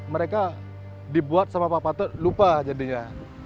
mereka dibuat sama pak patut lupa jadinya